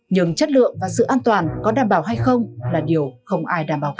nhưng chất lượng và sự an toàn có đảm bảo hay không là điều không ai đảm bảo cả